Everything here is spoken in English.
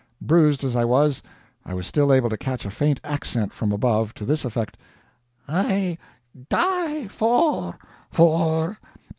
Bruised as I was, I was still able to catch a faint accent from above, to this effect: "I die for... for